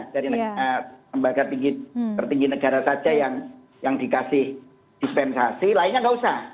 dari lembaga tertinggi negara saja yang dikasih dispensasi lainnya nggak usah